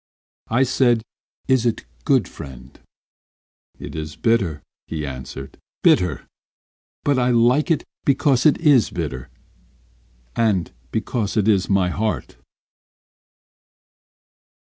I said, "Is it good, friend?" "It is bitter bitter," he answered; "But I like it Because it is bitter, And because it is my heart."